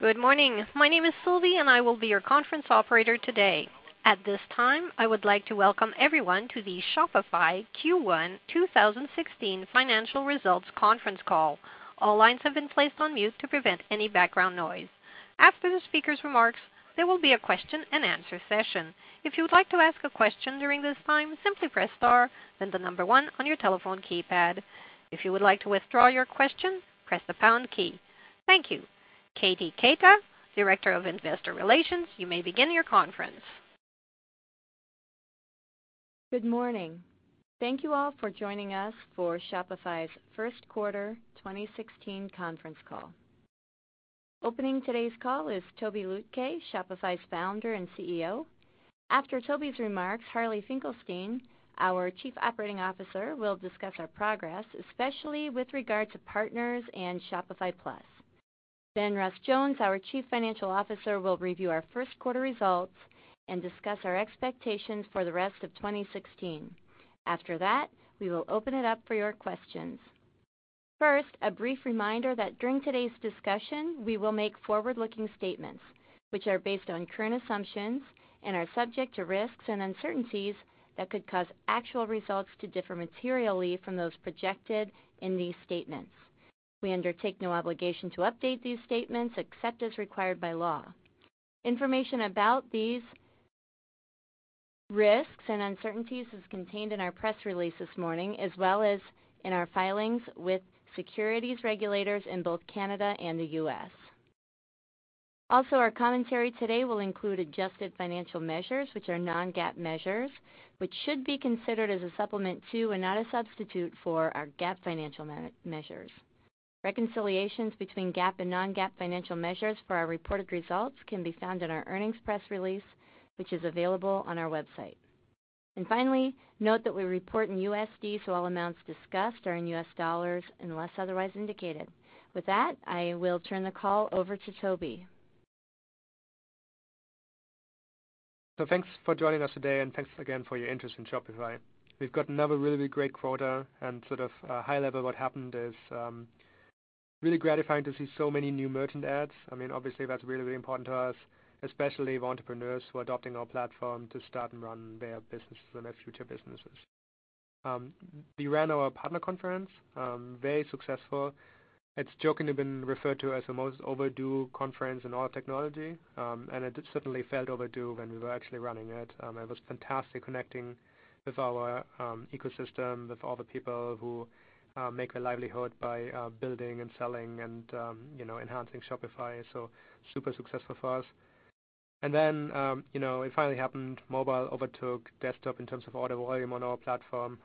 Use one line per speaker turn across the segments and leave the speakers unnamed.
Good morning. My name is Sylvie. I will be your conference operator today. At this time, I would like to welcome everyone to the Shopify Q1 2016 financial results conference call. All lines have been placed on mute to prevent any background noise. After the speaker's remarks, there will be a question-and-answer session. If you would like to ask a question during this time, simply press star, the number one on your telephone keypad. If you would like to withdraw your question, press the pound key. Thank you. Katie Keita, Director of Investor Relations, you may begin your conference.
Good morning. Thank you all for joining us for Shopify's first quarter 2016 conference call. Opening today's call is Tobi Lütke, Shopify's founder and CEO. After Tobi's remarks, Harley Finkelstein, our Chief Operating Officer, will discuss our progress, especially with regard to partners and Shopify Plus. Russ Jones, our Chief Financial Officer, will review our first quarter results and discuss our expectations for the rest of 2016. After that, we will open it up for your questions. First, a brief reminder that during today's discussion, we will make forward-looking statements which are based on current assumptions and are subject to risks and uncertainties that could cause actual results to differ materially from those projected in these statements. We undertake no obligation to update these statements except as required by law. Information about these risks and uncertainties is contained in our press release this morning, as well as in our filings with securities regulators in both Canada and the U.S. Our commentary today will include adjusted financial measures, which are non-GAAP measures, which should be considered as a supplement to and not a substitute for our GAAP financial measures. Reconciliations between GAAP and non-GAAP financial measures for our reported results can be found in our earnings press release, which is available on our website. Finally, note that we report in USD, so all amounts discussed are in U.S. dollars unless otherwise indicated. With that, I will turn the call over to Tobi.
Thanks for joining us today, and thanks again for your interest in Shopify. We've got another really, really great quarter and sort of high level what happened is really gratifying to see so many new merchant adds. I mean, obviously that's really, really important to us, especially entrepreneurs who are adopting our platform to start and run their businesses and their future businesses. We ran our partner conference, very successful. It's jokingly been referred to as the most overdue conference in all technology, and it certainly felt overdue when we were actually running it. It was fantastic connecting with our ecosystem, with all the people who make a livelihood by building and selling and, you know, enhancing Shopify. Super successful for us. You know, it finally happened. Mobile overtook desktop in terms of order volume on our platform.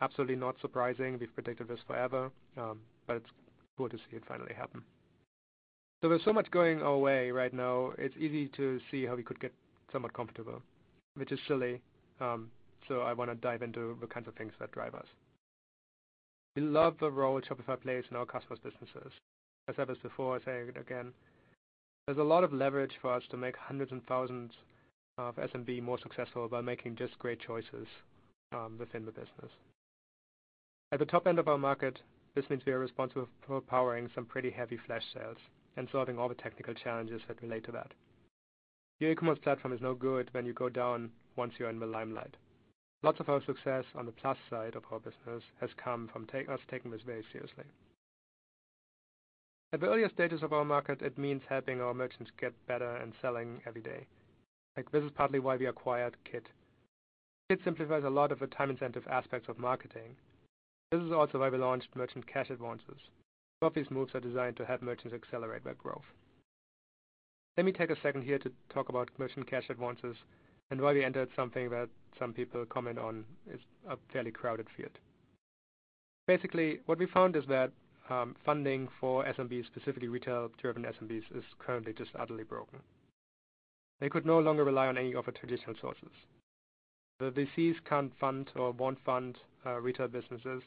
Absolutely not surprising. We've predicted this forever, but it's cool to see it finally happen. There was so much going our way right now, it's easy to see how we could get somewhat comfortable, which is silly, so I wanna dive into the kinds of things that drive us. We love the role Shopify plays in our customers' businesses. I said this before, I'll say it again. There's a lot of leverage for us to make hundreds and thousands of SMB more successful by making just great choices within the business. At the top end of our market, this means we are responsible for powering some pretty heavy flash sales and solving all the technical challenges that relate to that. The e-commerce platform is no good when you go down once you're in the limelight. Lots of our success on the plus side of our business has come from us taking this very seriously. At the earliest stages of our market, it means helping our merchants get better and selling every day. This is partly why we acquired Kit. Kit simplifies a lot of the time-intensive aspects of marketing. This is also why we launched merchant cash advances. Both these moves are designed to help merchants accelerate their growth. Let me take a second here to talk about merchant cash advances and why we entered something that some people comment on is a fairly crowded field. What we found is that funding for SMBs, specifically retail-driven SMBs, is currently just utterly broken. They could no longer rely on any of the traditional sources. The VCs can't fund or won't fund retail businesses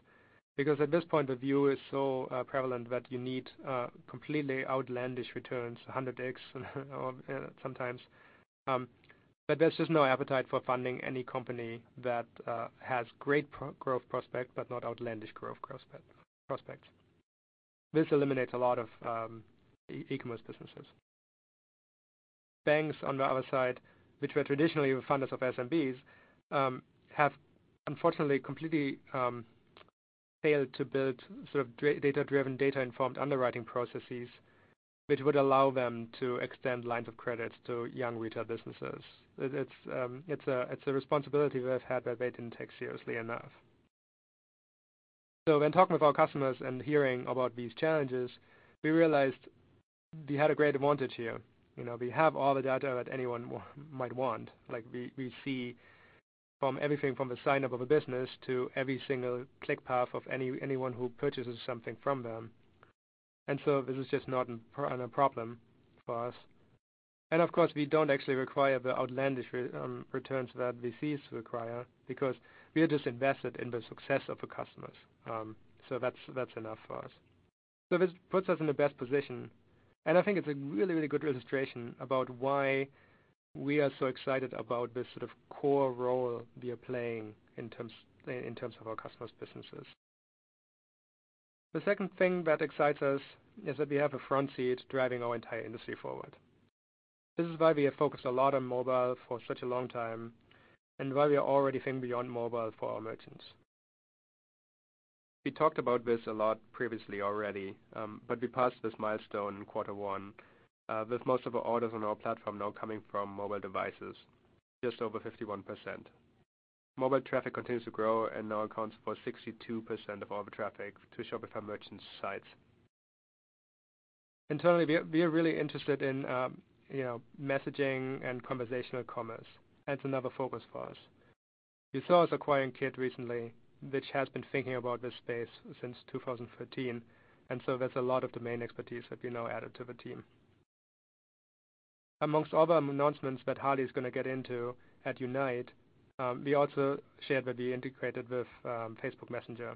because at this point, the view is so prevalent that you need completely outlandish returns 100x or sometimes. There's just no appetite for funding any company that has great growth prospect, but not outlandish growth prospect. This eliminates a lot of e-commerce businesses. Banks, on the other side, which were traditionally funders of SMBs, have unfortunately completely failed to build sort of data-driven, data-informed underwriting processes, which would allow them to extend lines of credits to young retail businesses. It's a responsibility they've had that they didn't take seriously enough. When talking with our customers and hearing about these challenges, we realized we had a great advantage here. You know, we have all the data that anyone might want. Like we see from everything from the sign-up of a business to every single click path of anyone who purchases something from them. This is just not a problem for us. Of course, we don't actually require the outlandish returns that VCs require because we are just invested in the success of the customers. That's enough for us. This puts us in the best position, and I think it's a really, really good illustration about why we are so excited about this sort of core role we are playing in terms of our customers' businesses. The second thing that excites us is that we have a front seat driving our entire industry forward. This is why we have focused a lot on mobile for such a long time, and why we are already thinking beyond mobile for our merchants. We talked about this a lot previously already, we passed this milestone in quarter one, with most of our orders on our platform now coming from mobile devices, just over 51%. Mobile traffic continues to grow and now accounts for 62% of all the traffic to Shopify merchant sites. Internally, we are really interested in, you know, messaging and conversational commerce. That's another focus for us. You saw us acquiring Kit recently, which has been thinking about this space since 2013, there's a lot of domain expertise that we now added to the team. Amongst other announcements that Harley's going to get into at Unite, we also shared that we integrated with Facebook Messenger.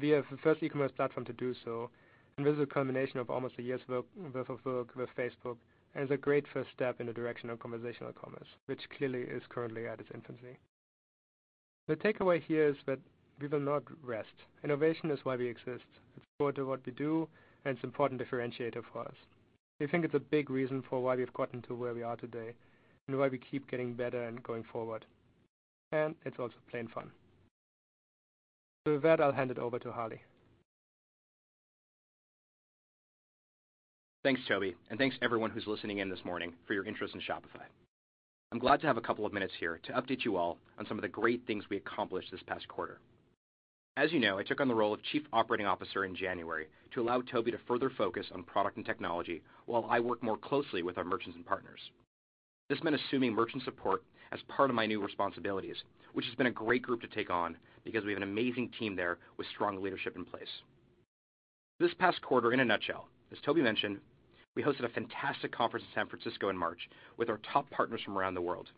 We are the first e-commerce platform to do so, and this is a culmination of almost a year's work with, of work with Facebook, and is a great first step in the direction of conversational commerce, which clearly is currently at its infancy. The takeaway here is that we will not rest. Innovation is why we exist. It's core to what we do, and it's an important differentiator for us. We think it's a big reason for why we've gotten to where we are today and why we keep getting better and going forward. It's also plain fun. With that, I'll hand it over to Harley.
Thanks, Tobi, and thanks everyone who's listening in this morning for your interest in Shopify. I'm glad to have a couple of minutes here to update you all on some of the great things we accomplished this past quarter. As you know, I took on the role of Chief Operating Officer in January to allow Tobi to further focus on product and technology while I work more closely with our merchants and partners. This meant assuming merchant support as part of my new responsibilities, which has been a great group to take on because we have an amazing team there with strong leadership in place. This past quarter, in a nutshell, as Tobi mentioned, we hosted a fantastic conference in San Francisco in March with our top partners from around the world.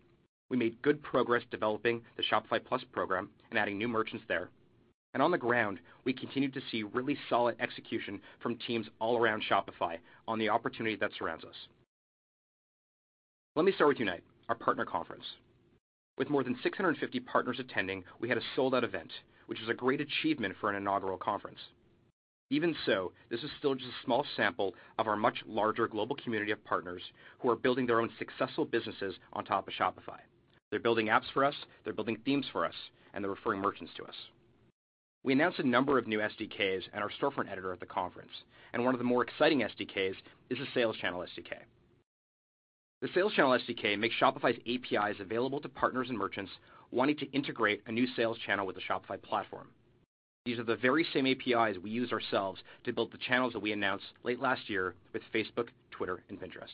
We made good progress developing the Shopify Plus program and adding new merchants there. On the ground, we continued to see really solid execution from teams all around Shopify on the opportunity that surrounds us. Let me start with Unite, our partner conference. With more than 650 partners attending, we had a sold-out event, which is a great achievement for an inaugural conference. Even so, this is still just a small sample of our much larger global community of partners who are building their own successful businesses on top of Shopify. They're building apps for us, they're building themes for us, and they're referring merchants to us. We announced a number of new SDKs and our storefront editor at the conference, and one of the more exciting SDKs is the Sales Channel SDK. The Sales Channel SDK makes Shopify's APIs available to partners and merchants wanting to integrate a new sales channel with the Shopify platform. These are the very same APIs we use ourselves to build the channels that we announced late last year with Facebook, Twitter, and Pinterest.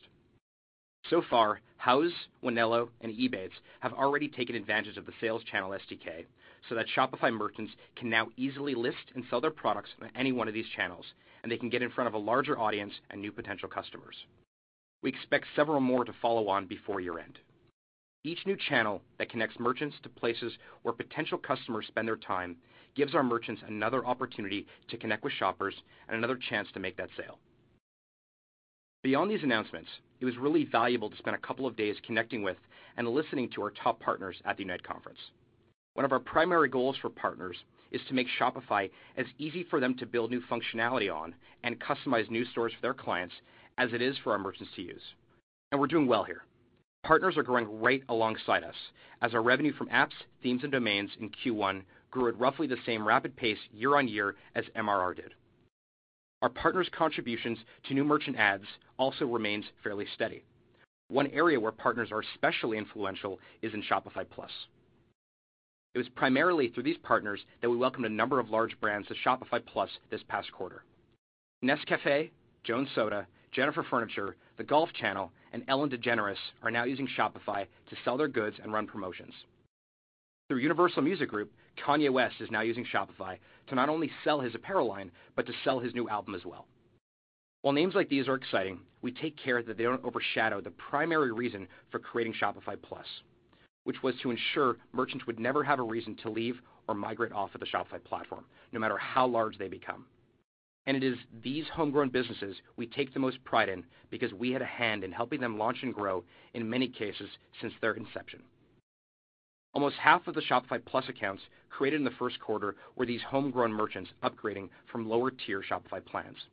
So far, Houzz, Wanelo, and Ebates have already taken advantage of the Sales Channel SDK so that Shopify merchants can now easily list and sell their products on any one of these channels, and they can get in front of a larger audience and new potential customers. We expect several more to follow on before year-end. Each new channel that connects merchants to places where potential customers spend their time gives our merchants another opportunity to connect with shoppers and another chance to make that sale. Beyond these announcements, it was really valuable to spend a couple of days connecting with and listening to our top partners at the Unite conference. One of our primary goals for partners is to make Shopify as easy for them to build new functionality on and customize new stores for their clients as it is for our merchants to use. We're doing well here. Partners are growing right alongside us as our revenue from apps, themes, and domains in Q1 grew at roughly the same rapid pace year-on-year as MRR did. Our partners' contributions to new merchant ads also remains fairly steady. One area where partners are especially influential is in Shopify Plus. It was primarily through these partners that we welcomed a number of large brands to Shopify Plus this past quarter. Nescafé, Jones Soda, Jennifer Furniture, The Golf Channel, and Ellen DeGeneres are now using Shopify to sell their goods and run promotions. Through Universal Music Group, Kanye West is now using Shopify to not only sell his apparel line, but to sell his new album as well. While names like these are exciting, we take care that they don't overshadow the primary reason for creating Shopify Plus, which was to ensure merchants would never have a reason to leave or migrate off of the Shopify platform, no matter how large they become. It is these homegrown businesses we take the most pride in because we had a hand in helping them launch and grow, in many cases, since their inception. Almost half of the Shopify Plus accounts created in the first quarter were these homegrown merchants upgrading from lower-tier Shopify plans.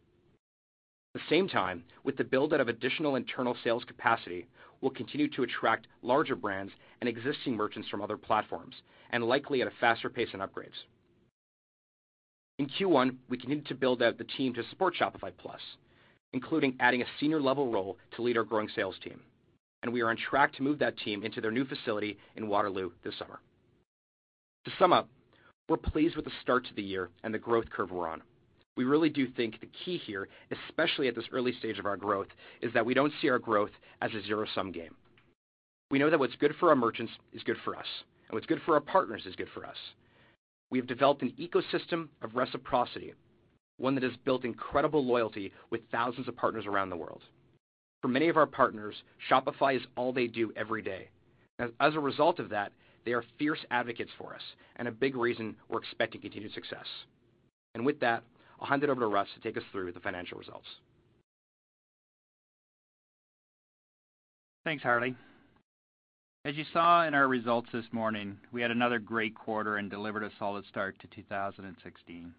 At the same time, with the build-out of additional internal sales capacity, we'll continue to attract larger brands and existing merchants from other platforms, and likely at a faster pace in upgrades. In Q1, we continued to build out the team to support Shopify Plus, including adding a senior-level role to lead our growing sales team. We are on track to move that team into their new facility in Waterloo this summer. To sum up, we're pleased with the start to the year and the growth curve we're on. We really do think the key here, especially at this early stage of our growth, is that we don't see our growth as a zero-sum game. We know that what's good for our merchants is good for us, and what's good for our partners is good for us. We've developed an ecosystem of reciprocity, one that has built incredible loyalty with thousands of partners around the world. For many of our partners, Shopify is all they do every day. As a result of that, they are fierce advocates for us and a big reason we're expecting continued success. With that, I'll hand it over to Russ to take us through the financial results.
Thanks, Harley. As you saw in our results this morning, we had another great quarter and delivered a solid start to 2016.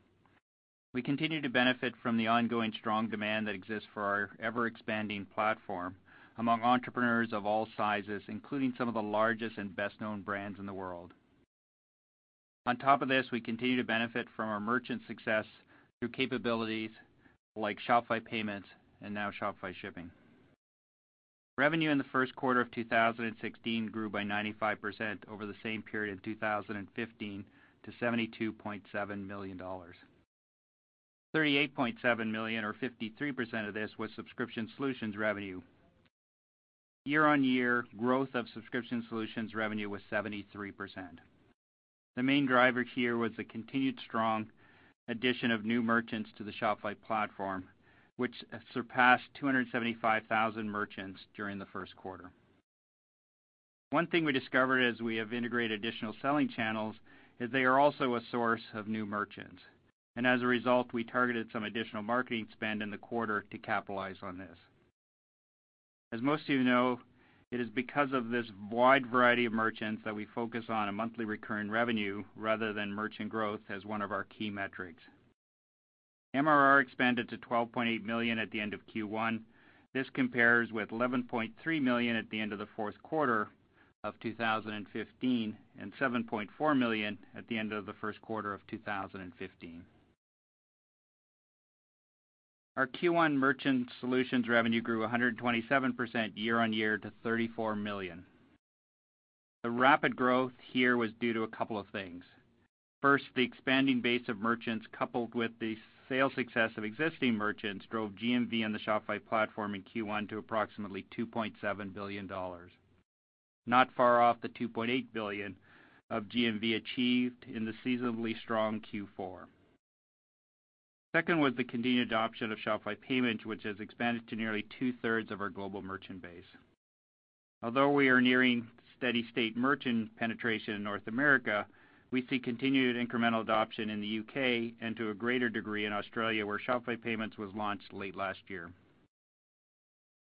We continue to benefit from the ongoing strong demand that exists for our ever-expanding platform among entrepreneurs of all sizes, including some of the largest and best-known brands in the world. On top of this, we continue to benefit from our merchant success through capabilities like Shopify Payments and now Shopify Shipping. Revenue in the first quarter of 2016 grew by 95% over the same period in 2015 to $72.7 million. $38.7 million or 53% of this was subscription solutions revenue. Year-over-year, growth of subscription solutions revenue was 73%. The main driver here was the continued strong addition of new merchants to the Shopify platform, which surpassed 275,000 merchants during the first quarter. As a result, we targeted some additional marketing spend in the quarter to capitalize on this. As most of you know, it is because of this wide variety of merchants that we focus on a monthly recurring revenue rather than merchant growth as one of our key metrics. MRR expanded to 12.8 million at the end of Q1. This compares with 11.3 million at the end of the fourth quarter of 2015 and 7.4 million at the end of the first quarter of 2015. Our Q1 merchant solutions revenue grew 127% year-on-year to $34 million. The rapid growth here was due to a couple of things. First, the expanding base of merchants, coupled with the sales success of existing merchants, drove GMV on the Shopify platform in Q1 to approximately $2.7 billion. Not far off the $2.8 billion of GMV achieved in the seasonably strong Q4. Second was the continued adoption of Shopify Payments, which has expanded to nearly two-thirds of our global merchant base. Although we are nearing steady-state merchant penetration in North America, we see continued incremental adoption in the U.K. and to a greater degree in Australia, where Shopify Payments was launched late last year.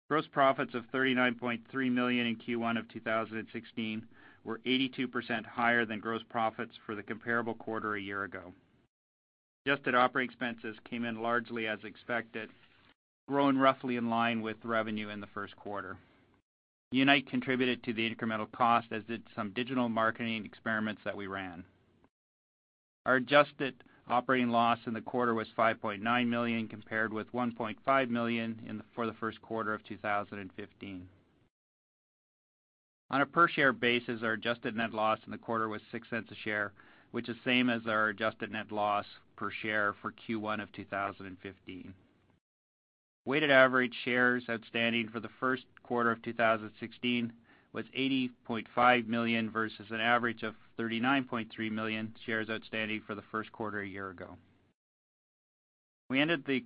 Gross profits of 39.3 million in Q1 of 2016 were 82% higher than gross profits for the comparable quarter a year ago. Adjusted operating expenses came in largely as expected, growing roughly in line with revenue in the first quarter. Unite contributed to the incremental cost, as did some digital marketing experiments that we ran. Our adjusted operating loss in the quarter was 5.9 million, compared with 1.5 million for the first quarter of 2015. On a per-share basis, our adjusted net loss in the quarter was 0.06 a share, which is same as our adjusted net loss per share for Q1 of 2015. Weighted average shares outstanding for the first quarter of 2016 was 80.5 million versus an average of 39.3 million shares outstanding for the first quarter a year ago. We ended the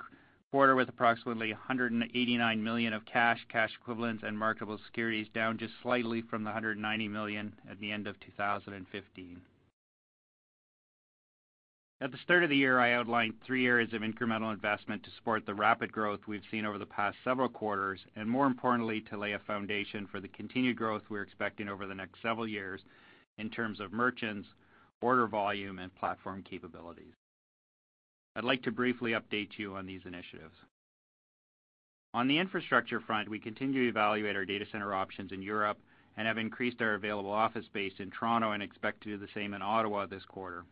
quarter with approximately 189 million of cash equivalents, and marketable securities, down just slightly from 190 million at the end of 2015. At the start of the year, I outlined three areas of incremental investment to support the rapid growth we've seen over the past several quarters, and more importantly, to lay a foundation for the continued growth we're expecting over the next several years in terms of merchants, order volume, and platform capabilities. I'd like to briefly update you on these initiatives. On the infrastructure front, we continue to evaluate our data center options in Europe and have increased our available office space in Toronto and expect to do the same in Ottawa this quarter.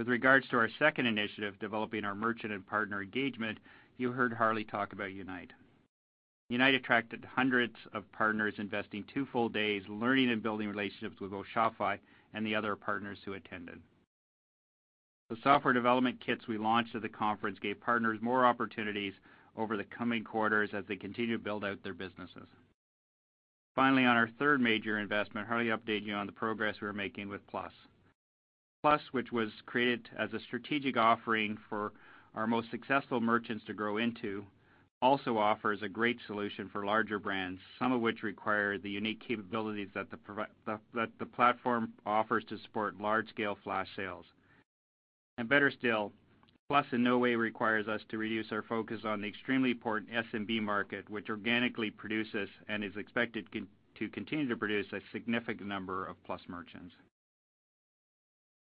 With regards to our second initiative, developing our merchant and partner engagement, you heard Harley talk about Unite. Unite attracted hundreds of partners investing two full days learning and building relationships with both Shopify and the other partners who attended. The software development kits we launched at the conference gave partners more opportunities over the coming quarters as they continue to build out their businesses. Finally, on our third major investment, Harley updated you on the progress we're making with Plus. Plus, which was created as a strategic offering for our most successful merchants to grow into, also offers a great solution for larger brands, some of which require the unique capabilities that the platform offers to support large-scale flash sales. Better still, Shopify Plus in no way requires us to reduce our focus on the extremely important SMB market, which organically produces and is expected to continue to produce a significant number of Shopify Plus merchants.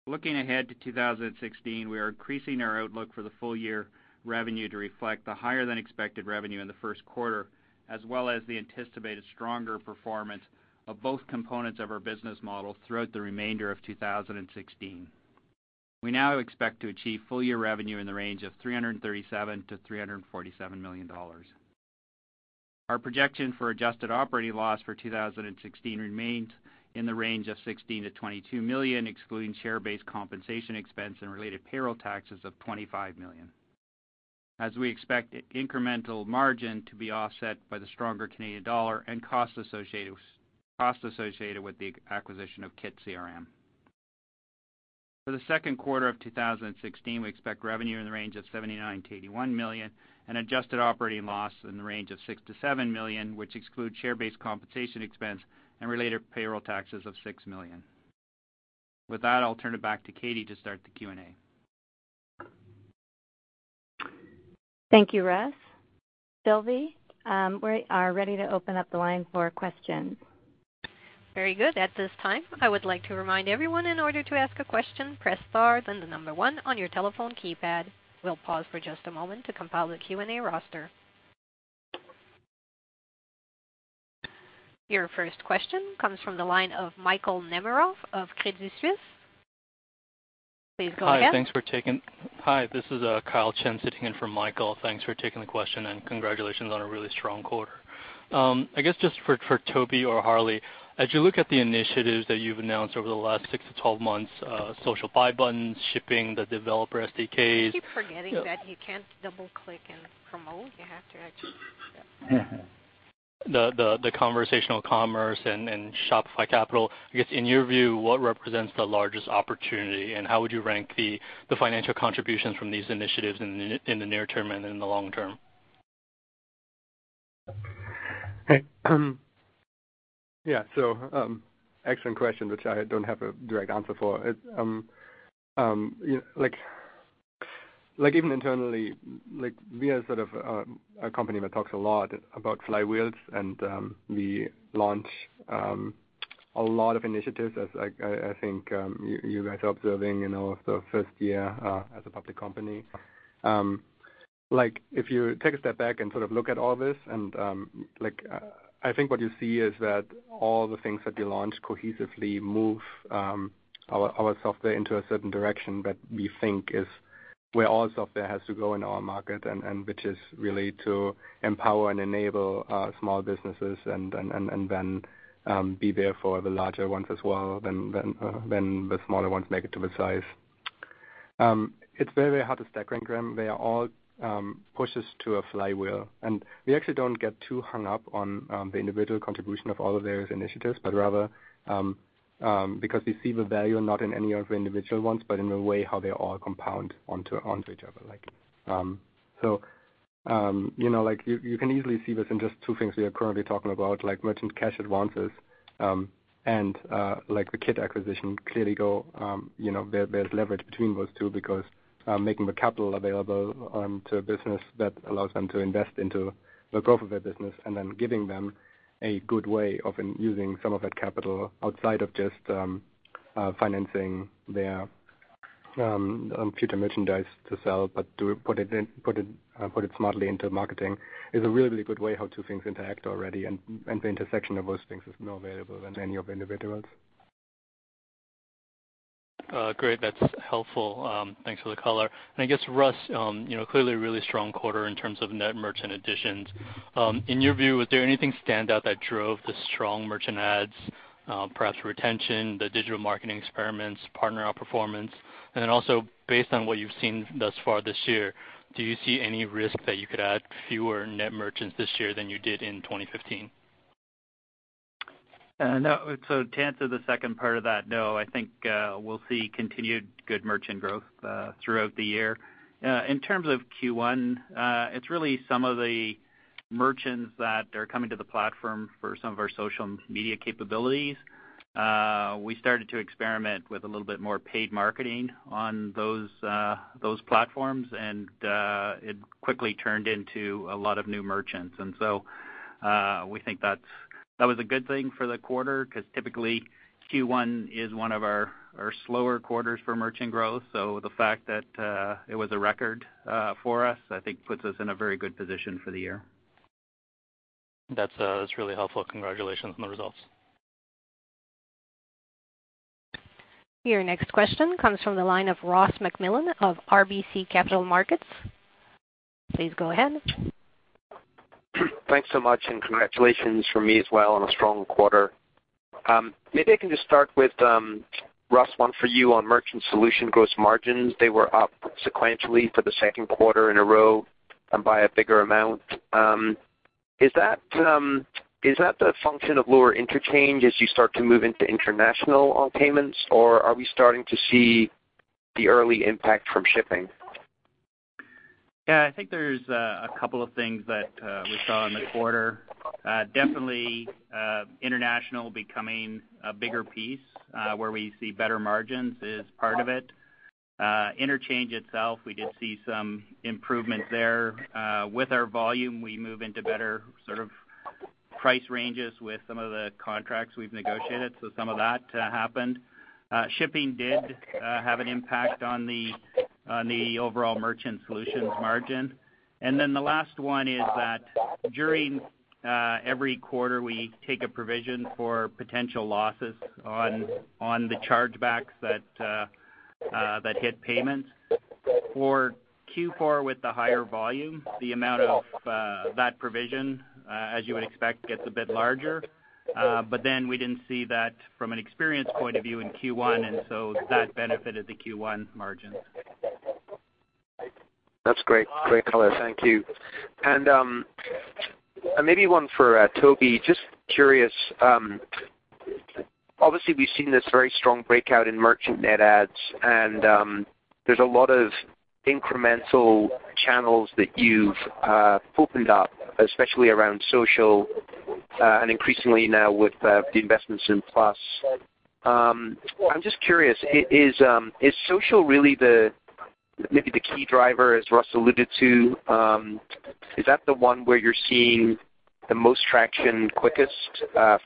Looking ahead to 2016, we are increasing our outlook for the full year revenue to reflect the higher-than-expected revenue in the first quarter, as well as the anticipated stronger performance of both components of our business model throughout the remainder of 2016. We now expect to achieve full year revenue in the range of $337 million-$347 million. Our projection for adjusted operating loss for 2016 remains in the range of 16 million-22 million, excluding share-based compensation expense and related payroll taxes of 25 million. As we expect incremental margin to be offset by the stronger Canadian dollar and costs associated with the acquisition of Kit CRM. For the second quarter of 2016, we expect revenue in the range of 79 million-81 million and adjusted operating loss in the range of 6 million-7 million, which excludes share-based compensation expense and related payroll taxes of 6 million. With that, I'll turn it back to Katie to start the Q&A.
Thank you, Russ. Sylvie, we are ready to open up the line for questions.
Very good. At this time, I would like to remind everyone in order to ask a question, press star then the number one on your telephone keypad. We'll pause for just a moment to compile the Q&A roster. Your first question comes from the line of Michael Nemeroff of Credit Suisse. Please go ahead.
Hi, this is Kyle Chen sitting in for Michael. Thanks for taking the question. Congratulations on a really strong quarter. I guess just for Tobi Lütke or Harley Finkelstein, as you look at the initiatives that you've announced over the last six to 12 months, social buy buttons, shipping, the developer SDKs-
I keep forgetting that you can't double-click and promote. You have to actually, yeah.
The conversational commerce and Shopify Capital. I guess in your view, what represents the largest opportunity, and how would you rank the financial contributions from these initiatives in the near term and in the long term?
Hey, yeah. Excellent question, which I don't have a direct answer for. It like even internally, like we are sort of a company that talks a lot about flywheels and we launch a lot of initiatives as like I think you guys are observing, you know, the first year as a public company. Like if you take a step back and sort of look at all this and, like, I think what you see is that all the things that we launch cohesively move, our software into a certain direction that we think is where all software has to go in our market and which is really to empower and enable small businesses and then be there for the larger ones as well when the smaller ones make it to the size. It's very hard to stack rank them. They are all pushes to a flywheel. We actually don't get too hung up on the individual contribution of all of those initiatives. Rather, because we see the value not in any of the individual ones, but in the way how they all compound onto each other like. You know, like you can easily see this in just two things we are currently talking about, like merchant cash advances, and like the Kit acquisition clearly go, you know, there's leverage between those two because making the capital available to a business that allows them to invest into the growth of their business and then giving them a good way of using some of that capital outside of just financing their future merchandise to sell, but to put it smartly into marketing is a really, really good way how two things interact already. The intersection of those things is more valuable than any of individuals.
Great. That's helpful. Thanks for the color. I guess, Russ, you know, clearly a really strong quarter in terms of net merchant additions. In your view, was there anything standout that drove the strong merchant adds, perhaps retention, the digital marketing experiments, partner outperformance? Then also based on what you've seen thus far this year, do you see any risk that you could add fewer net merchants this year than you did in 2015?
No. To answer the second part of that, no. I think we'll see continued good merchant growth throughout the year. In terms of Q1, it's really some of the merchants that are coming to the platform for some of our social media capabilities. We started to experiment with a little bit more paid marketing on those platforms, and it quickly turned into a lot of new merchants. We think that was a good thing for the quarter because typically Q1 is one of our slower quarters for merchant growth. The fact that it was a record for us, I think puts us in a very good position for the year.
That's really helpful. Congratulations on the results.
Your next question comes from the line of Ross MacMillan of RBC Capital Markets. Please go ahead.
Thanks so much, congratulations from me as well on a strong quarter. Maybe I can just start with, Russ, one for you on merchant solution gross margins. They were up sequentially for the second quarter in a row and by a bigger amount. Is that the function of lower interchange as you start to move into international on payments, or are we starting to see the early impact from shipping?
Yeah, I think there's a couple of things that we saw in the quarter. Definitely, international becoming a bigger piece, where we see better margins is part of it. Interchange itself, we did see some improvement there. With our volume, we move into better sort of price ranges with some of the contracts we've negotiated, so some of that happened. Shipping did have an impact on the overall merchant solutions margin. The last one is that during every quarter, we take a provision for potential losses on the chargebacks that hit payments. For Q4 with the higher volume, the amount of that provision, as you would expect, gets a bit larger. We didn't see that from an experience point of view in Q1, and so that benefited the Q1 margins.
That's great. Great color. Thank you. Maybe one for Tobi, just curious. Obviously we've seen this very strong breakout in merchant net adds, there's a lot of incremental channels that you've opened up, especially around social, and increasingly now with the investments in Shopify Plus. I'm just curious, is social really the, maybe the key driver, as Russ alluded to? Is that the one where you're seeing the most traction quickest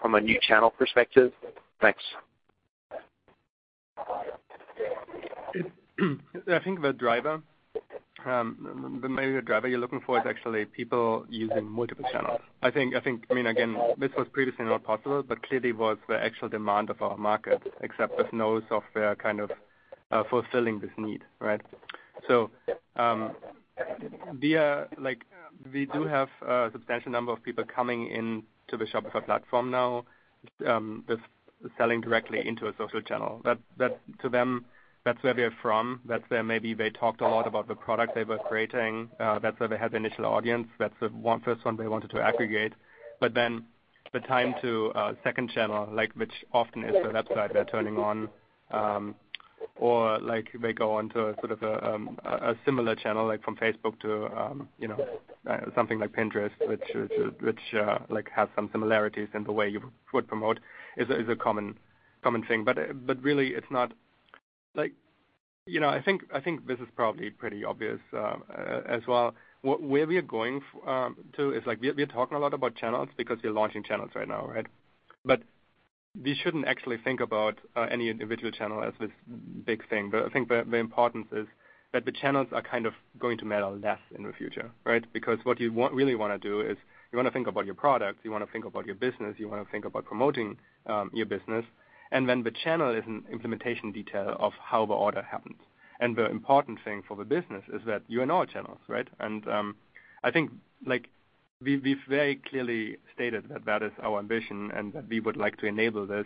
from a new channel perspective? Thanks.
I think the driver, maybe the driver you're looking for is actually people using multiple channels. I think, I mean, again, this was previously not possible, but clearly was the actual demand of our market, except with no software kind of, fulfilling this need, right? Via, like, we do have a substantial number of people coming into the Shopify platform now, with selling directly into a social channel. That to them, that's where they're from, that's where maybe they talked a lot about the product they were creating, that's where they had the initial audience, that's the one, first one they wanted to aggregate. The time to a second channel, which often is the website they're turning on, or they go on to sort of a similar channel, like from Facebook to something like Pinterest, which has some similarities in the way you would promote, is a common thing. Really it's not I think this is probably pretty obvious as well. Where we are going to, we are talking a lot about channels because we are launching channels right now, right? We shouldn't actually think about any individual channel as this big thing. I think the importance is that the channels are kind of going to matter less in the future, right? What you want, really wanna do is you wanna think about your product, you wanna think about your business, you wanna think about promoting your business, then the channel is an implementation detail of how the order happens. The important thing for the business is that you are in all channels, right? I think, like, we've very clearly stated that that is our ambition and that we would like to enable this.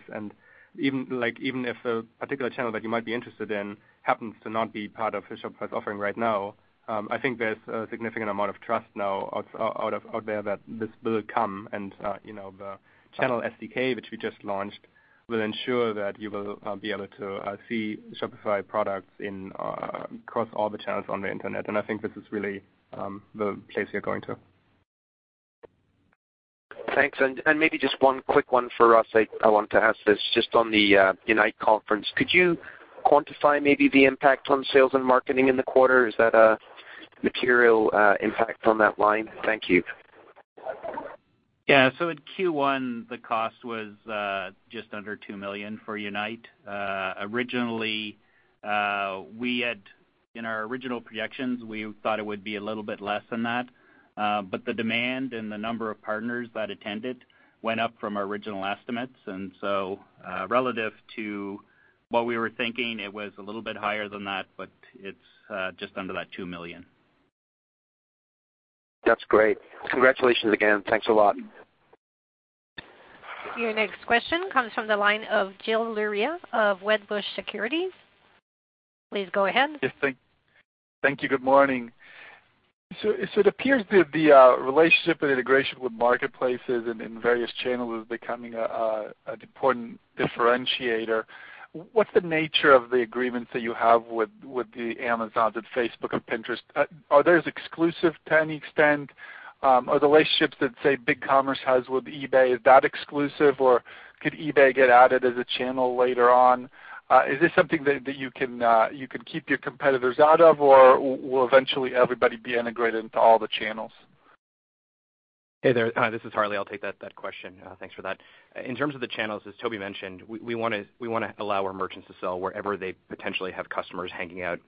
Even, like, even if a particular channel that you might be interested in happens to not be part of the Shopify's offering right now, I think there's a significant amount of trust now out there that this will come, you know, the Channel SDK, which we just launched, will ensure that you will be able to see Shopify products across all the channels on the internet. I think this is really the place we are going to.
Thanks. Maybe just one quick one for Russ. I wanted to ask this. Just on the Shopify Unite, could you quantify maybe the impact on sales and marketing in the quarter? Is that a material impact on that line? Thank you.
Yeah. At Q1, the cost was just under $2 million for Unite. Originally, we had, in our original projections, we thought it would be a little bit less than that. But the demand and the number of partners that attended went up from our original estimates. Relative to what we were thinking, it was a little bit higher than that, but it's just under that $2 million.
That's great. Congratulations again. Thanks a lot.
Your next question comes from the line of Gil Luria of Wedbush Securities. Please go ahead.
Yes, thank you. Good morning. It appears that the relationship and integration with marketplaces and various channels is becoming an important differentiator. What's the nature of the agreements that you have with Amazon and Facebook and Pinterest? Are those exclusive to any extent? Are the relationships that, say, BigCommerce has with eBay, is that exclusive, or could eBay get added as a channel later on? Is this something that you can keep your competitors out of, or will eventually everybody be integrated into all the channels?
Hey there. This is Harley. I'll take that question. Thanks for that. In terms of the channels, as Tobi mentioned, we wanna allow our merchants to sell wherever they potentially have customers hanging out.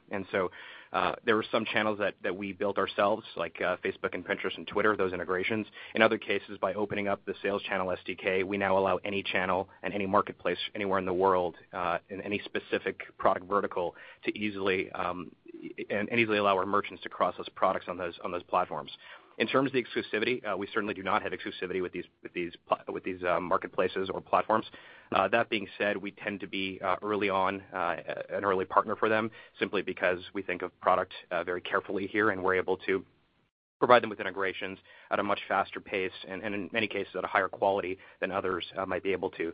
There were some channels that we built ourselves, like Facebook and Pinterest and Twitter, those integrations. In other cases, by opening up the Sales Channel SDK, we now allow any channel and any marketplace anywhere in the world, in any specific product vertical to easily and easily allow our merchants to cross those products on those platforms. In terms of the exclusivity, we certainly do not have exclusivity with these marketplaces or platforms. That being said, we tend to be early on, an early partner for them simply because we think of product very carefully here, and we're able to provide them with integrations at a much faster pace and in many cases, at a higher quality than others might be able to.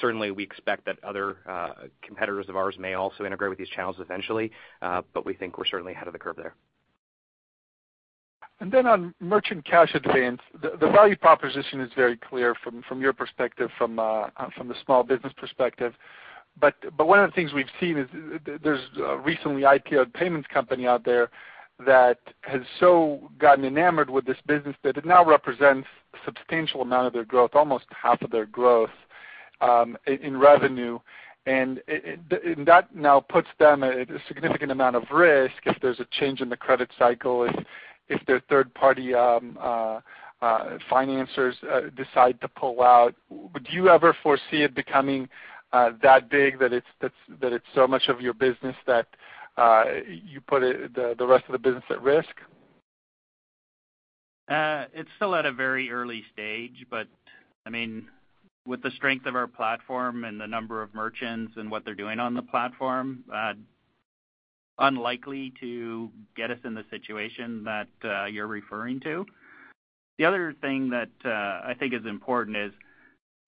Certainly, we expect that other competitors of ours may also integrate with these channels eventually, but we think we're certainly ahead of the curve there.
On merchant cash advance, the value proposition is very clear from your perspective, from the small business perspective, but one of the things we've seen is, there's a recently IPO'd payments company out there that has so gotten enamored with this business that it now represents a substantial amount of their growth, almost half of their growth in revenue. That now puts them at a significant amount of risk if there's a change in the credit cycle, if their third-party financers decide to pull out. Would you ever foresee it becoming that big that it's so much of your business that you put the rest of the business at risk?
It's still at a very early stage, but I mean, with the strength of our platform and the number of merchants and what they're doing on the platform, unlikely to get us in the situation that you're referring to. The other thing that I think is important is,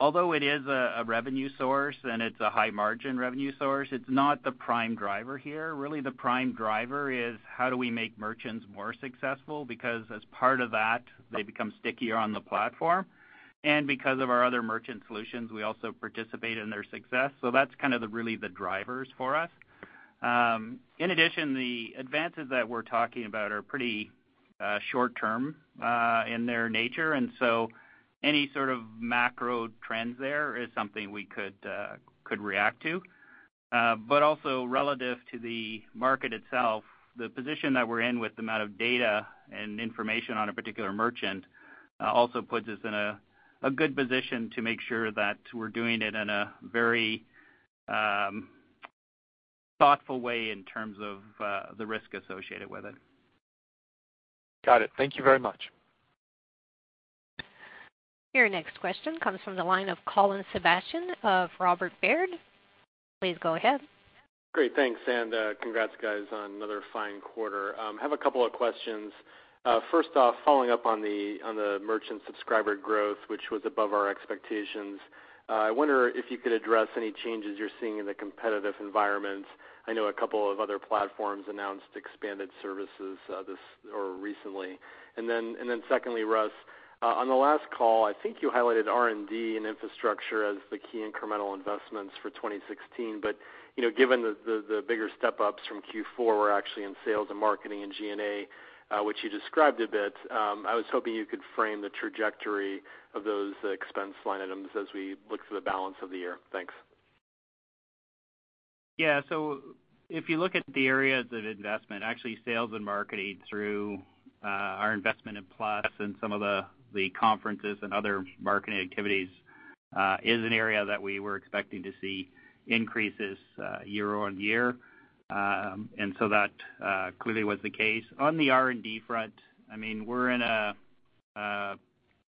although it is a revenue source and it's a high-margin revenue source, it's not the prime driver here. Really, the prime driver is how do we make merchants more successful, because as part of that, they become stickier on the platform. Because of our other merchant solutions, we also participate in their success. That's kind of the really the drivers for us. In addition, the advances that we're talking about are pretty short term in their nature. Any sort of macro trends there is something we could react to. Also relative to the market itself, the position that we're in with the amount of data and information on a particular merchant, also puts us in a good position to make sure that we're doing it in a very thoughtful way in terms of the risk associated with it.
Got it. Thank you very much.
Your next question comes from the line of Colin Sebastian of Robert W. Baird. Please go ahead.
Great. Thanks. Congrats guys on another fine quarter. Have a couple of questions. First off, following up on the merchant subscriber growth, which was above our expectations, I wonder if you could address any changes you're seeing in the competitive environment. I know a couple of other platforms announced expanded services, this, or recently. Secondly, Russ, on the last call, I think you highlighted R&D and infrastructure as the key incremental investments for 2016, but, you know, given the bigger step-ups from Q4 were actually in sales and marketing and G&A, which you described a bit, I was hoping you could frame the trajectory of those expense line items as we look to the balance of the year. Thanks.
Yeah. If you look at the areas of investment, actually sales and marketing through our investment in Shopify Plus and some of the conferences and other marketing activities, is an area that we were expecting to see increases year-on-year. That clearly was the case. On the R&D front, I mean, we're in a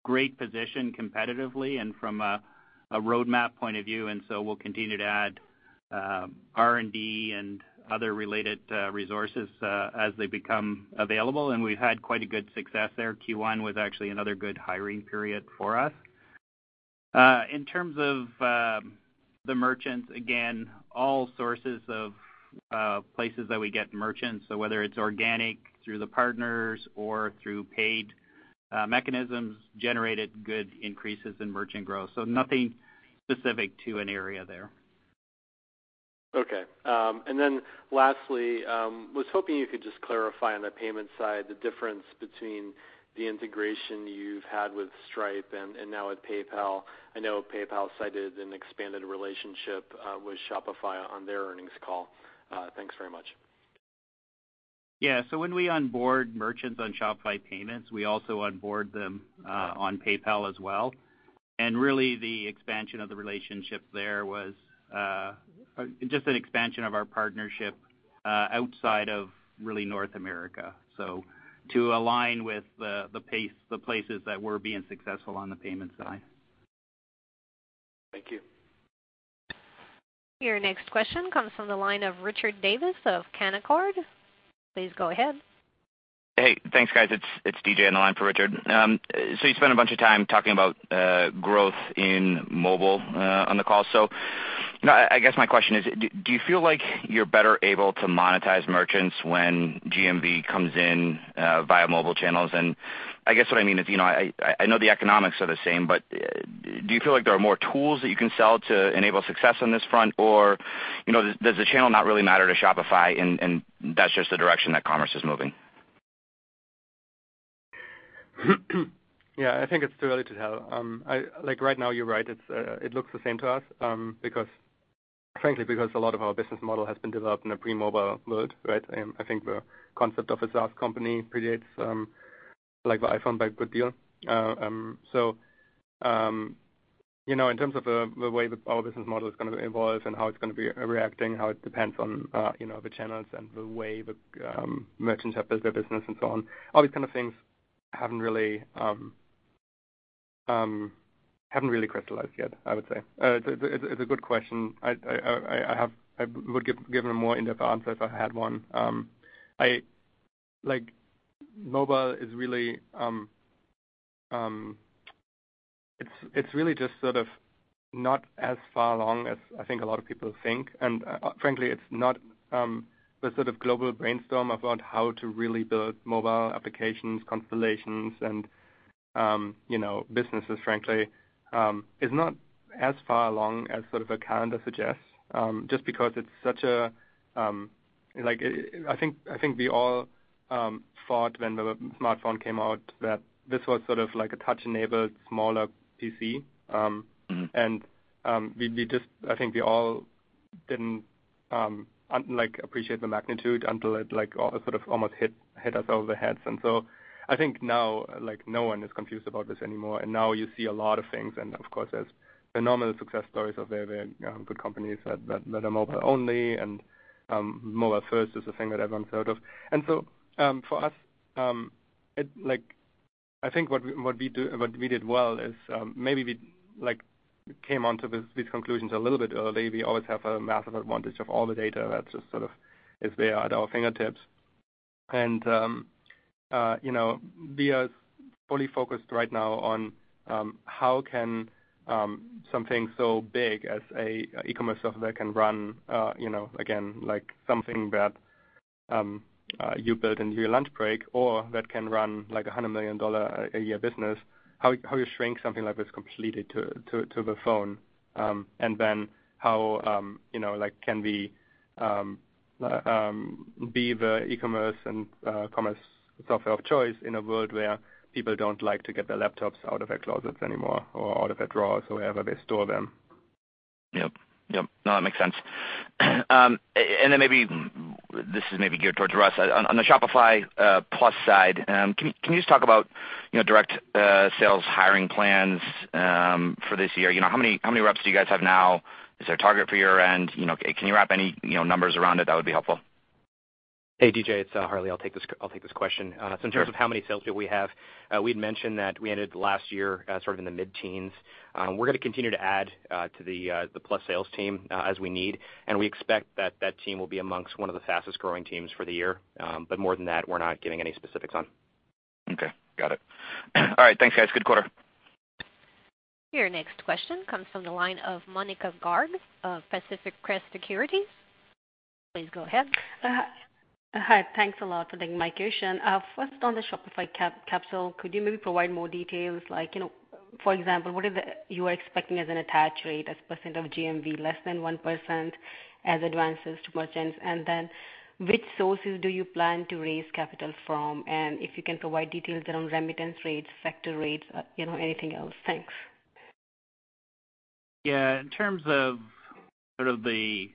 great position competitively and from a roadmap point of view, we'll continue to add R&D and other related resources as they become available. We've had quite a good success there. Q1 was actually another good hiring period for us. In terms of the merchants, again, all sources of places that we get merchants, whether it's organic through the partners or through paid mechanisms, generated good increases in merchant growth. Nothing specific to an area there.
Okay. Lastly, was hoping you could just clarify on the payment side the difference between the integration you've had with Stripe and now with PayPal. I know PayPal cited an expanded relationship with Shopify on their earnings call. Thanks very much.
Yeah, so when we onboard merchants on Shopify Payments, we also onboard them on PayPal as well. Really, the expansion of the relationship there was just an expansion of our partnership outside of really North America. To align with the pace, the places that we're being successful on the payments side.
Thank you.
Your next question comes from the line of Richard Davis of Canaccord. Please go ahead.
Hey, thanks, guys. It's DJ on the line for Richard. You spent a bunch of time talking about growth in mobile on the call. You know, I guess my question is, do you feel like you're better able to monetize merchants when GMV comes in via mobile channels? I guess what I mean is, you know, I know the economics are the same, do you feel like there are more tools that you can sell to enable success on this front? You know, does the channel not really matter to Shopify and that's just the direction that commerce is moving?
Yeah, I think it's too early to tell. Like right now, you're right, it looks the same to us, because, frankly, because a lot of our business model has been developed in a pre-mobile world, right? I think the concept of a SaaS company predates, like the iPhone by a good deal. You know, in terms of the way the our business model is gonna evolve and how it's gonna be reacting, how it depends on, you know, the channels and the way the merchants have built their business and so on, all these kind of things haven't really crystallized yet, I would say. It's a good question. I would give a more in-depth answer if I had one. I, like mobile is really, it's really just sort of not as far along as I think a lot of people think. Frankly, it's not, the sort of global brainstorm about how to really build mobile applications, constellations, and, you know, businesses, frankly, is not as far along as sort of a calendar suggests, just because it's such a, Like it, I think we all, thought when the smartphone came out that this was sort of like a touch-enabled smaller PC. We just, I think we all didn't like appreciate the magnitude until it like all sort of almost hit us over the heads. I think now, like no one is confused about this anymore. Now you see a lot of things and of course there's phenomenal success stories of very, you know, good companies that are mobile only and mobile first is a thing that everyone's heard of. For us, it like, I think what we did well is, maybe we like came onto these conclusions a little bit early. We always have a massive advantage of all the data that's just sort of is there at our fingertips. You know, we are fully focused right now on how can something so big as a e-commerce software can run, you know, again, like something that you build in your lunch break or that can run like a 100 million dollar a year business. How you shrink something like this completely to the phone. How, you know, like can we be the e-commerce and commerce software of choice in a world where people don't like to get their laptops out of their closets anymore or out of their drawers or wherever they store them.
Yep. Yep. No, that makes sense. Maybe this is maybe geared towards Russ. On the Shopify Plus side, can you just talk about, you know, direct sales hiring plans for this year? You know, how many reps do you guys have now? Is there a target for year-end? You know, can you wrap any, you know, numbers around it, that would be helpful.
Hey, DJ, it's Harley. I'll take this question. In terms of how many salespeople we have, we'd mentioned that we ended last year, sort of in the mid-teens. We're gonna continue to add to the Plus sales team as we need, and we expect that that team will be amongst one of the fastest-growing teams for the year. More than that, we're not giving any specifics on.
Okay, got it. All right, thanks guys. Good quarter.
Your next question comes from the line of Monika Garg of Pacific Crest Securities. Please go ahead.
Hi, thanks a lot for taking my question. First on the Shopify Capital, could you maybe provide more details like, you know, for example, what is it you are expecting as an attach rate as percent of GMV less than 1% as advances to merchants? Which sources do you plan to raise capital from? If you can provide details around remittance rates, factor rates, you know, anything else. Thanks.
Yeah, in terms of sort of the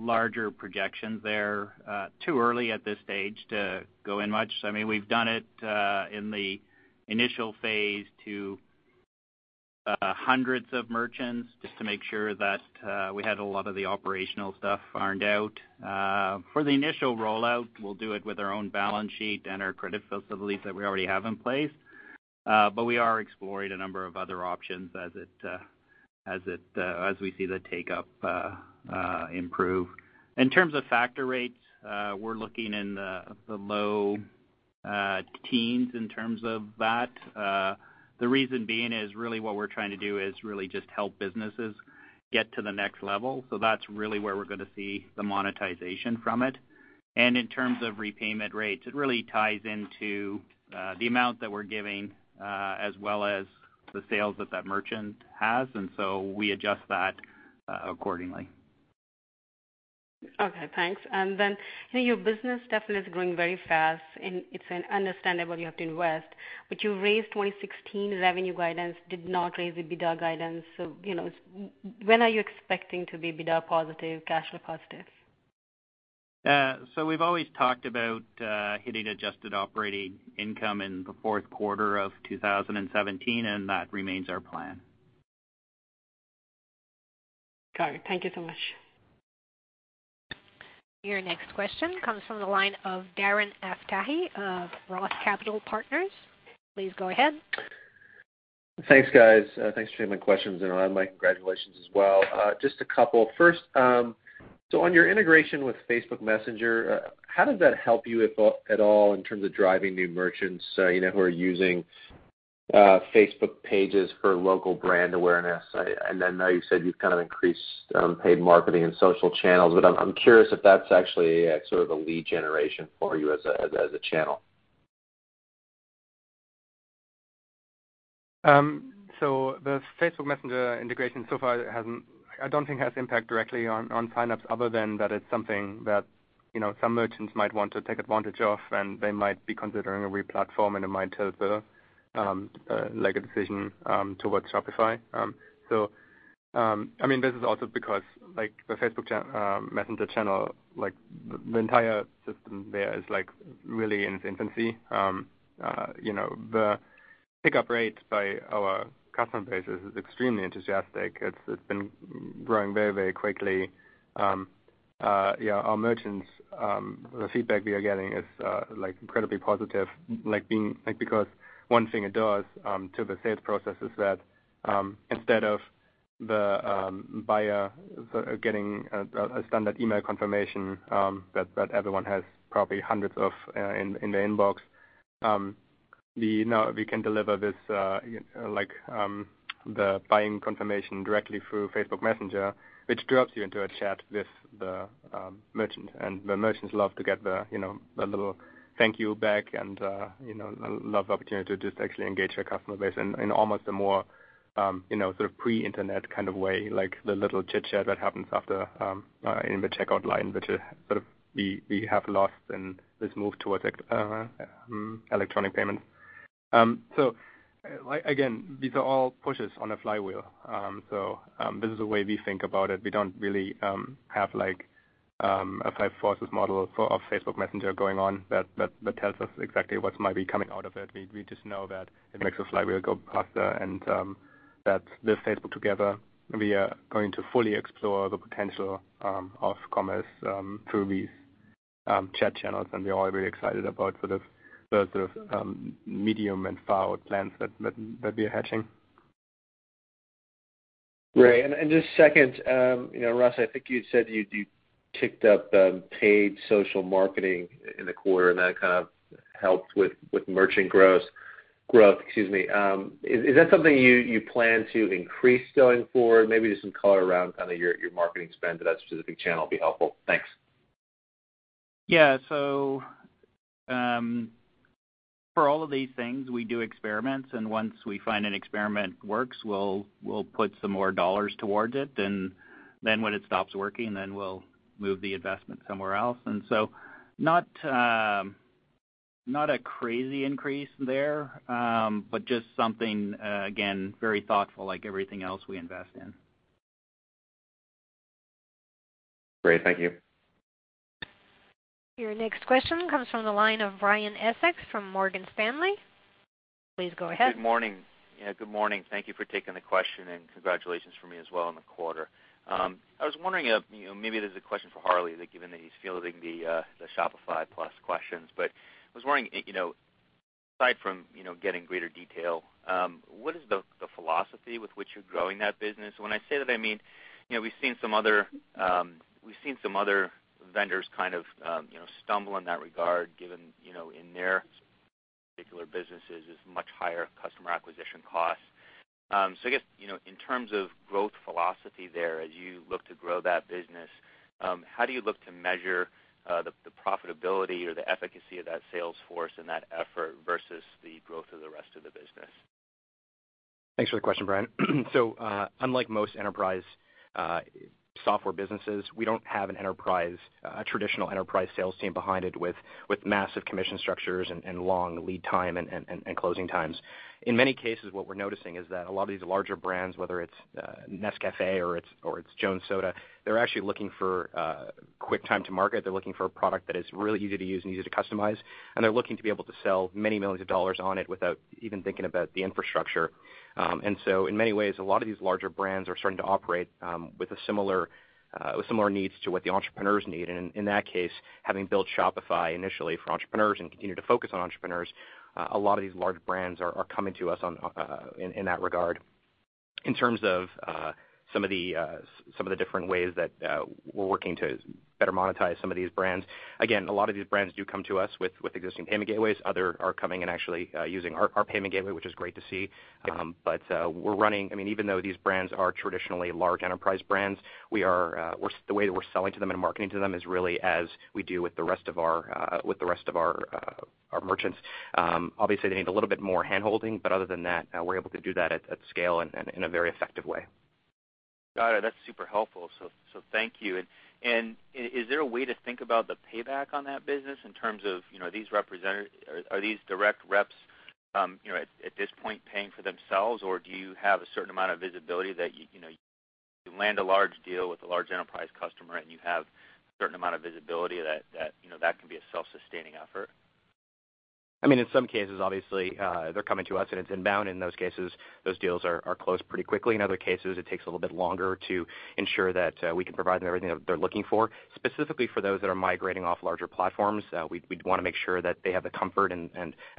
larger projections there, too early at this stage to go in much. I mean, we've done it in the initial phase to hundreds of merchants just to make sure that we had a lot of the operational stuff ironed out. For the initial rollout, we'll do it with our own balance sheet and our credit facilities that we already have in place. We are exploring a number of other options as it, as we see the take-up improve. In terms of factor rates, we're looking in the low teens in terms of that. The reason being is really what we're trying to do is really just help businesses get to the next level. That's really where we're gonna see the monetization from it. In terms of repayment rates, it really ties into the amount that we're giving as well as the sales that that merchant has. We adjust that accordingly.
Okay, thanks. Then, you know, your business definitely is growing very fast and it's an understandable you have to invest. You raised 2016 revenue guidance, did not raise the EBITDA guidance. You know, when are you expecting to be EBITDA positive, cash flow positive?
We've always talked about hitting adjusted operating income in the fourth quarter of 2017, and that remains our plan.
Got it. Thank you so much.
Your next question comes from the line of Darren Aftahi of ROTH Capital Partners. Please go ahead.
Thanks, guys. Thanks for taking my questions. My congratulations as well. Just a couple. First, on your integration with Facebook Messenger, how does that help you at all in terms of driving new merchants, you know, who are using Facebook pages for local brand awareness? I know you said you've kind of increased paid marketing and social channels, but I'm curious if that's actually a sort of a lead generation for you as a channel.
The Facebook Messenger integration so far hasn't I don't think has impact directly on signups other than that it's something that, you know, some merchants might want to take advantage of, and they might be considering a re-platform, and it might tilt the like a decision towards Shopify. I mean, this is also because like the Facebook Messenger channel, like the entire system there is like really in its infancy. You know, the pickup rate by our customer base is extremely enthusiastic. It's been growing very very quickly. Yeah, our merchants, the feedback we are getting is like incredibly positive, like because one thing it does to the sales process is that instead of the buyer sort of getting a standard email confirmation that everyone has probably hundreds of in their inbox, we can deliver this like the buying confirmation directly through Facebook Messenger, which drops you into a chat with the merchant. The merchants love to get the, you know, the little thank you back and, you know, love the opportunity to just actually engage their customer base in almost a more, you know, sort of pre-internet kind of way, like the little chit-chat that happens after in the checkout line, which sort of we have lost in this move towards electronic payment. Like again, these are all pushes on a flywheel. This is the way we think about it. We don't really have like a five forces model for our Facebook Messenger going on that tells us exactly what might be coming out of it. We just know that it makes the flywheel go faster and that with Facebook together we are going to fully explore the potential of commerce through these chat channels. We are very excited about sort of the sort of medium and far plans that we are hatching.
Great. Just second, you know, Russ, I think you said you ticked up paid social marketing in the quarter and that kind of helped with merchant growth, excuse me. Is that something you plan to increase going forward? Maybe just some color around kind of your marketing spend to that specific channel would be helpful. Thanks.
Yeah. For all of these things, we do experiments, and once we find an experiment works, we'll put some more dollars towards it. Then when it stops working, then we'll move the investment somewhere else. Not a crazy increase there, but just something again, very thoughtful like everything else we invest in.
Great. Thank you.
Your next question comes from the line of Brian Essex from Morgan Stanley. Please go ahead.
Good morning. Yeah, good morning. Thank you for taking the question and congratulations from me as well on the quarter. I was wondering, you know, maybe this is a question for Harley, that given that he's fielding the Shopify Plus questions. I was wondering, you know, aside from, you know, getting greater detail, what is the philosophy with which you're growing that business? When I say that, I mean, you know, we've seen some other vendors kind of, you know, stumble in that regard given, you know, in their particular businesses is much higher customer acquisition costs. I guess, you know, in terms of growth philosophy there, as you look to grow that business, how do you look to measure the profitability or the efficacy of that sales force and that effort versus the growth of the rest of the business?
Thanks for the question, Brian. Unlike most enterprise software businesses, we don't have an enterprise a traditional enterprise sales team behind it with massive commission structures and long lead time and closing times. In many cases, what we're noticing is that a lot of these larger brands, whether it's Nescafé or it's Jones Soda, they're actually looking for a quick time to market. They're looking for a product that is really easy to use and easy to customize, and they're looking to be able to sell many millions of dollars on it without even thinking about the infrastructure. In many ways, a lot of these larger brands are starting to operate with a similar with similar needs to what the entrepreneurs need. In that case, having built Shopify initially for entrepreneurs and continue to focus on entrepreneurs, a lot of these large brands are coming to us on in that regard. In terms of some of the different ways that we're working to better monetize some of these brands. Again, a lot of these brands do come to us with existing payment gateways. Other are coming and actually using our payment gateway, which is great to see. But, we're running I mean, even though these brands are traditionally large enterprise brands, we are the way that we're selling to them and marketing to them is really as we do with the rest of our our merchants. Obviously, they need a little bit more hand-holding, but other than that, we're able to do that at scale and in a very effective way.
Got it. That's super helpful. Thank you. Is there a way to think about the payback on that business in terms of, you know, are these direct reps, you know, at this point paying for themselves? Do you have a certain amount of visibility that you know, you land a large deal with a large enterprise customer and you have certain amount of visibility that, you know, that can be a self-sustaining effort?
I mean, in some cases, obviously, they're coming to us and it's inbound. In those cases, those deals are closed pretty quickly. In other cases, it takes a little bit longer to ensure that we can provide them everything that they're looking for. Specifically for those that are migrating off larger platforms, we'd wanna make sure that they have the comfort and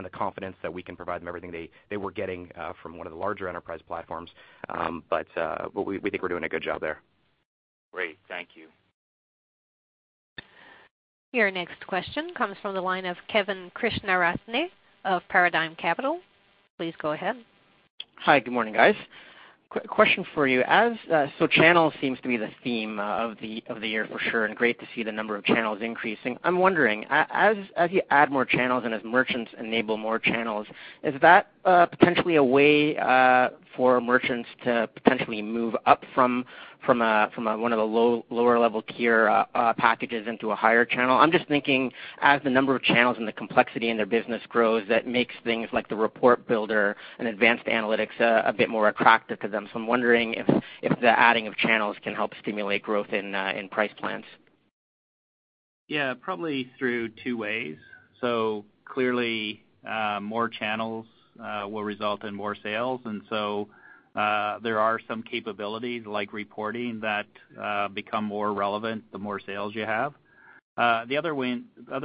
the confidence that we can provide them everything they were getting from one of the larger enterprise platforms. We think we're doing a good job there.
Great. Thank you.
Your next question comes from the line of Kevin Krishnaratne of Paradigm Capital. Please go ahead.
Hi. Good morning, guys. Question for you. As channels seems to be the theme of the year for sure, and great to see the number of channels increasing. I'm wondering, as you add more channels and as merchants enable more channels, is that potentially a way for merchants to potentially move up from one of the lower level tier packages into a higher channel? I'm just thinking as the number of channels and the complexity in their business grows, that makes things like the report builder and advanced analytics a bit more attractive to them. I'm wondering if the adding of channels can help stimulate growth in price plans.
Yeah, probably through two ways. Clearly, more channels will result in more sales. There are some capabilities like reporting that become more relevant the more sales you have. The other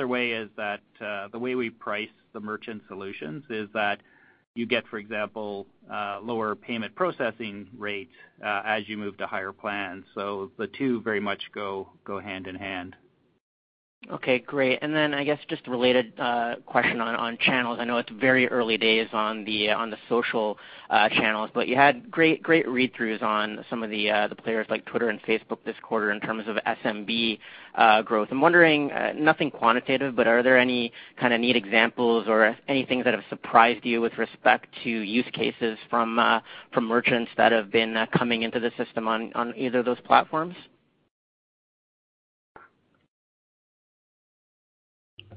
way is that the way we price the merchant solutions is that you get, for example, lower payment processing rates as you move to higher plans. The two very much go hand in hand.
Okay, great. I guess just a related question on channels. I know it's very early days on the social channels, but you had great read-throughs on some of the players like Twitter and Facebook this quarter in terms of SMB growth. I'm wondering, nothing quantitative, but are there any kind of neat examples or anything that have surprised you with respect to use cases from merchants that have been coming into the system on either of those platforms?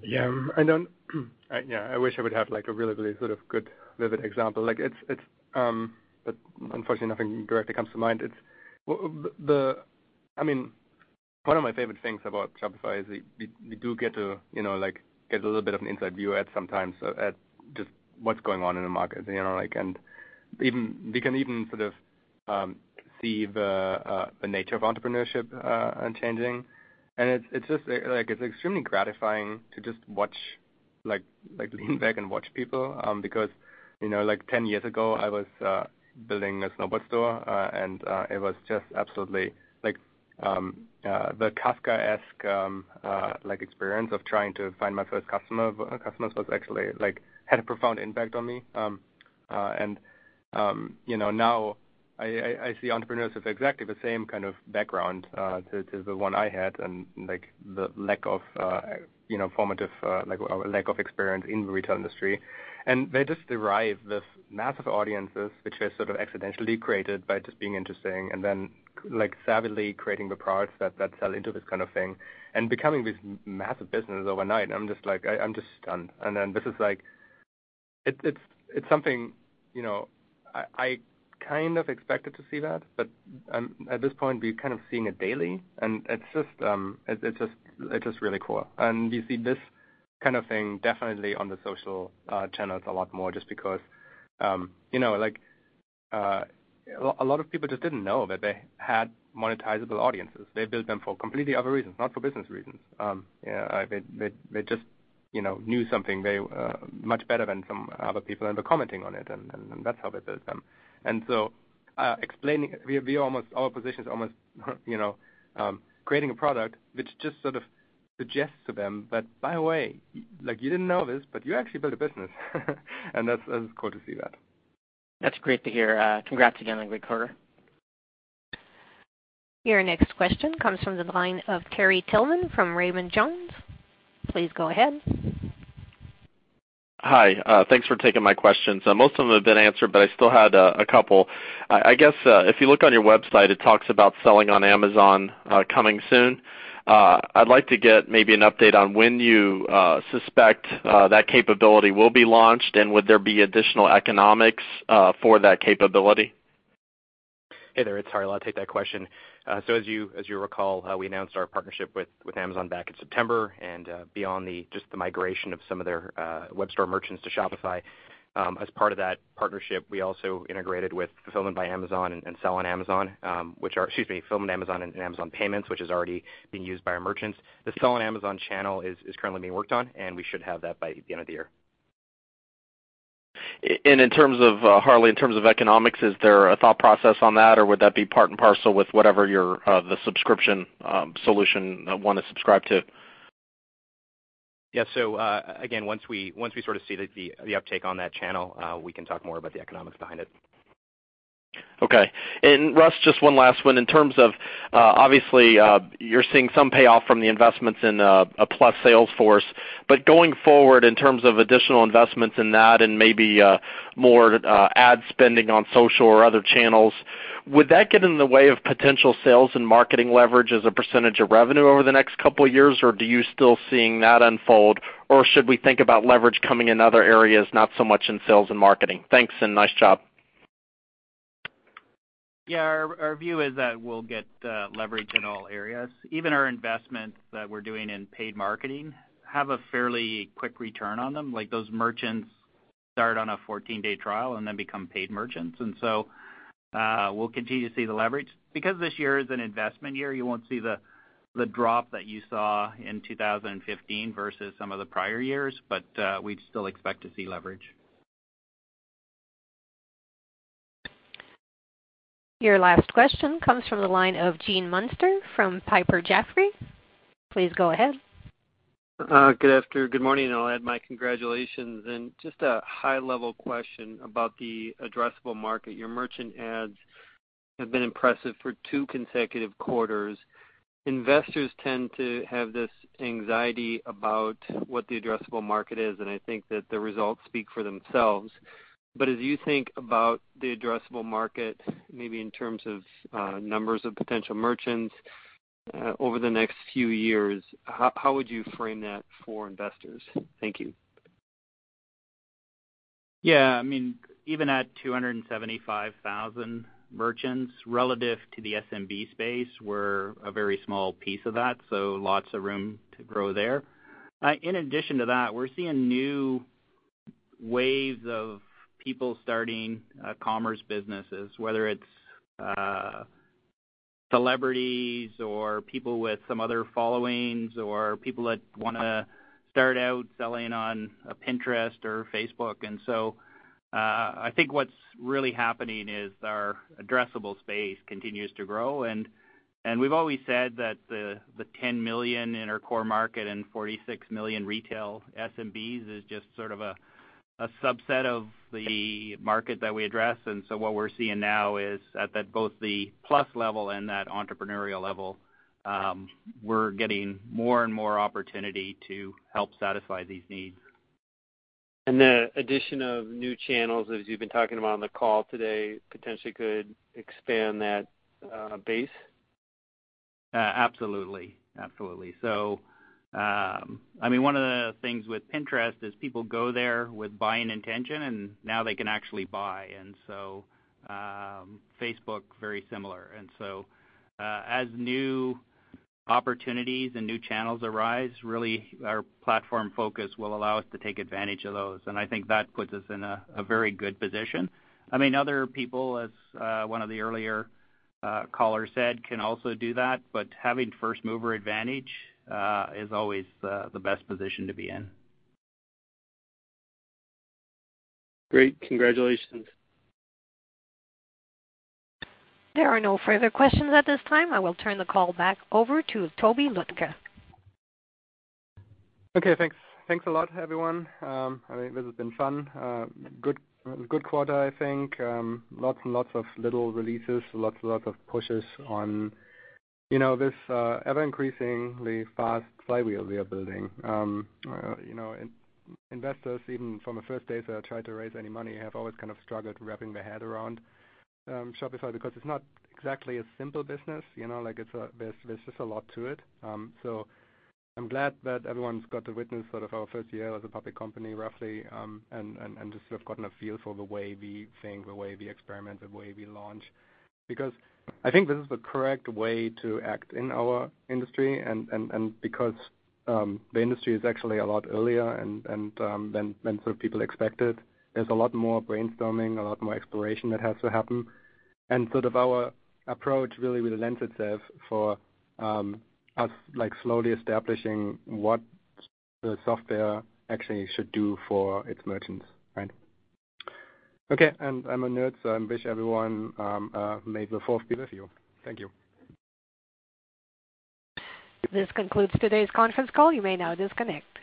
I wish I would have like a really sort of good vivid example. Like it's, unfortunately, nothing directly comes to mind. Well, the, I mean, one of my favorite things about Shopify is we do get to, you know, like, get a little bit of an inside view at sometimes at just what's going on in the market, you know. Like, even, we can even sort of see the nature of entrepreneurship changing. It's just like, it's extremely gratifying to just watch. Like lean back and watch people, because, you know, like 10 years ago, I was building a snowboard store, and it was just absolutely like the Kafka-esque like experience of trying to find my first customers was actually like had a profound impact on me. You know, now I see entrepreneurs with exactly the same kind of background to the one I had, and like the lack of, you know, formative, like lack of experience in the retail industry. They just derive this massive audiences, which were sort of accidentally created by just being interesting and then like savvily creating the products that sell into this kind of thing and becoming this massive business overnight. I'm just like, I'm just stunned. This is like It's something, you know, I kind of expected to see that, but, at this point, we're kind of seeing it daily, and it's just, it's just really cool. We see this kind of thing definitely on the social channels a lot more just because, you know, like a lot of people just didn't know that they had monetizable audiences. They built them for completely other reasons, not for business reasons. Yeah, they just, you know, knew something they much better than some other people and were commenting on it, and that's how they built them. Explaining our position is almost, you know, creating a product which just sort of suggests to them that, "By the way, like, you didn't know this, but you actually built a business." That's cool to see that.
That's great to hear. Congrats again on a great quarter.
Your next question comes from the line of Terry Tillman from Raymond James. Please go ahead.
Hi, thanks for taking my questions. Most of them have been answered, but I still had a couple. I guess, if you look on your website, it talks about selling on Amazon coming soon. I'd like to get maybe an update on when you suspect that capability will be launched, and would there be additional economics for that capability?
Hey there, it's Harley. I'll take that question. As you recall, we announced our partnership with Amazon back in September and beyond the migration of some of their web store merchants to Shopify. As part of that partnership, we also integrated with Fulfillment by Amazon and Amazon Payments, which is already being used by our merchants. The Sell on Amazon channel is currently being worked on, and we should have that by the end of the year.
In terms of, Harley, in terms of economics, is there a thought process on that, or would that be part and parcel with whatever your, the subscription solution one is subscribed to?
Yeah. Again, once we sort of see the uptake on that channel, we can talk more about the economics behind it.
Okay. Russ, just one last one. In terms of, obviously, you're seeing some payoff from the investments in a Plus Sales force, but going forward, in terms of additional investments in that and maybe more ad spending on social or other channels, would that get in the way of potential Sales and Marketing leverage as a percentage of revenue over the next two years, or do you still seeing that unfold, or should we think about leverage coming in other areas, not so much in Sales and Marketing? Thanks, and nice job.
Yeah. Our view is that we'll get leverage in all areas. Even our investments that we're doing in paid marketing have a fairly quick return on them. Like, those merchants start on a 14-day trial and then become paid merchants. We'll continue to see the leverage. This year is an investment year, you won't see the drop that you saw in 2015 versus some of the prior years, we'd still expect to see leverage.
Your last question comes from the line of Gene Munster from Piper Jaffray. Please go ahead.
Good morning, and I'll add my congratulations. Just a high-level question about the addressable market. Your merchant ads have been impressive for two consecutive quarters. Investors tend to have this anxiety about what the addressable market is, and I think that the results speak for themselves. As you think about the addressable market, maybe in terms of numbers of potential merchants over the next few years, how would you frame that for investors? Thank you.
I mean, even at 275,000 merchants relative to the SMB space, we're a very small piece of that, lots of room to grow there. In addition to that, we're seeing new waves of people starting commerce businesses, whether it's celebrities or people with some other followings or people that wanna start out selling on Pinterest or Facebook. I think what's really happening is our addressable space continues to grow. We've always said that the 10 million in our core market and 46 million retail SMBs is just sort of a subset of the market that we address. What we're seeing now is at that both the Plus level and that entrepreneurial level, we're getting more and more opportunity to help satisfy these needs.
The addition of new channels, as you've been talking about on the call today, potentially could expand that base?
Absolutely. Absolutely. I mean, one of the things with Pinterest is people go there with buying intention, and now they can actually buy. Facebook, very similar. As new opportunities and new channels arise, really our platform focus will allow us to take advantage of those, and I think that puts us in a very good position. I mean, other people, as one of the earlier callers said, can also do that, but having first-mover advantage is always the best position to be in.
Great. Congratulations.
There are no further questions at this time. I will turn the call back over to Tobi Lütke.
Okay, thanks. Thanks a lot, everyone. I think this has been fun. Good, it was a good quarter, I think. Lots and lots of little releases, lots and lots of pushes on, you know, this ever-increasingly fast flywheel we are building. You know, investors, even from the first days they tried to raise any money, have always kind of struggled wrapping their head around Shopify because it's not exactly a simple business. You know, like there's just a lot to it. I'm glad that everyone's got to witness sort of our first year as a public company roughly, and just sort of gotten a feel for the way we think, the way we experiment, the way we launch. I think this is the correct way to act in our industry and because the industry is actually a lot earlier and than sort of people expected. There's a lot more brainstorming, a lot more exploration that has to happen. Sort of our approach really relents itself for us like slowly establishing what the software actually should do for its merchants, right? I'm a nerd, so I wish everyone May the Fourth be with you. Thank you.
This concludes today's conference call. You may now disconnect.